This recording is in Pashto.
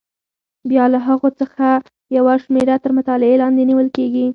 بیا له هغو څخه یوه شمېره تر مطالعې لاندې نیول کېږي.